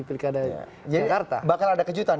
pilkada jakarta bakal ada kejutan